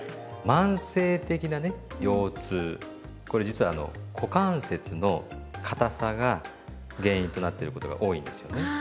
慢性的なね腰痛これ実はあの股関節のかたさが原因となってることが多いんですよね。